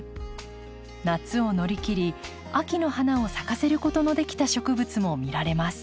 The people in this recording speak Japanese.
夏を乗り切り秋の花を咲かせることのできた植物も見られます。